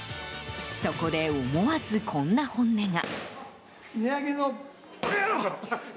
そこで思わず、こんな本音が。